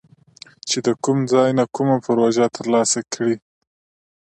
چې د کوم ځای نه کومه پروژه تر لاسه کړي